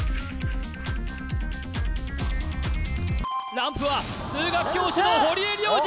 ランプは数学教師の堀江亮次！